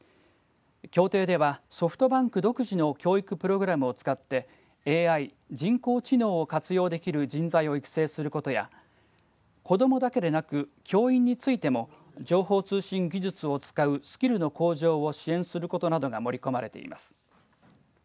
協定では、ソフトバンク独自の教育プログラムを使ってＡＩ、人工知能を活用できる人材を育成することや子どもだけでなく教員についても情報通信技術を使うスキルの向上を支援することなどが盛り込まれています。